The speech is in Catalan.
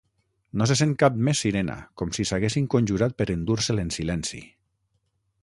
No se sent cap més sirena, com si s'haguessin conjurat per endur-se'l en silenci.